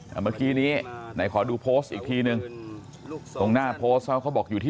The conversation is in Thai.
เมื่อกี้นี้ไหนขอดูโพสต์อีกทีนึงตรงหน้าโพสต์เขาเขาบอกอยู่ที่